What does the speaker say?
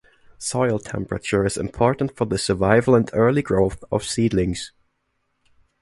Soil temperature is important for the survival and early growth of seedlings.